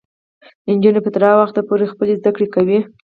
نجونې به تر هغه وخته پورې خپلې زده کړې کوي.